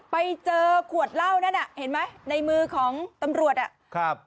ไปเจอขวดเหล้านั่นอ่ะเห็นไหมในมือของตำรวจอ่ะครับ